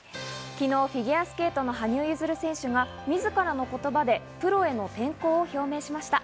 昨日、フィギュアスケートの羽生結弦選手がみずからの言葉でプロへの転向を表明しました。